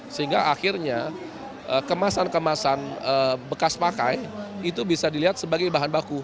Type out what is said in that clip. sehingga akhirnya kemasan kemasan bekas pakai itu bisa dilihat sebagai bahan baku